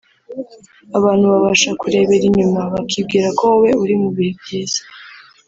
Abantu babasha kurebera inyuma bakibwira ko wowe uri mu bihe byiza